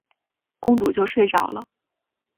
公主就睡着了。